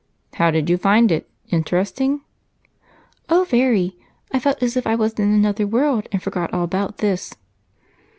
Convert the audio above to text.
"How do you find it? Interesting?" "Oh, very! I felt as if I was in another world and forgot all about this."